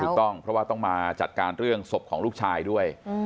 ถูกต้องเพราะว่าต้องมาจัดการเรื่องศพของลูกชายด้วย